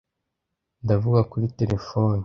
Ndavugana kuri terefone